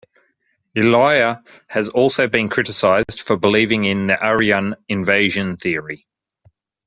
Ilaiah has also been criticised for believing in the Aryan Invasion theory.